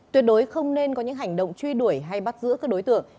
tuyệt đối không nên có những hành động truy đuổi hay bắt giữ các đối tượng